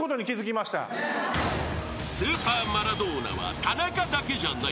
［スーパーマラドーナは田中だけじゃない］